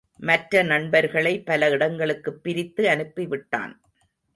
மற்ற நண்பர்களை பல இடங்களுக்குப் பிரித்து அனுப்பிவிட்டான்.